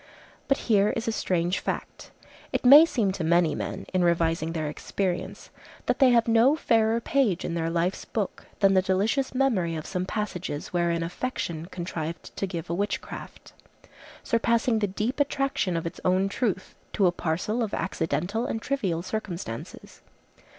But here is a strange fact; it may seem to many men, in revising their experience, that they have no fairer page in their life's book than the delicious memory of some passages wherein affection contrived to give a witchcraft, surpassing the deep attraction of its own truth, to a parcel of accidental and trivial circumstances.